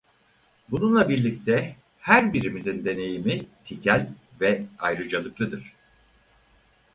Bununla birlikte her birimizin deneyimi tikel ve ayrıcalıklıdır.